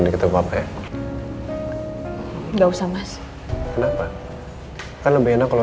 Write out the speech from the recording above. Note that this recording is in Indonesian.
yaudah kalau kamu mau gitu